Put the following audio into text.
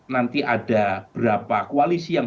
nanti ada berapa koalisi yang